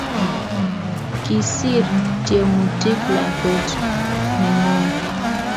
Kisiir tyemutik lakwet nengom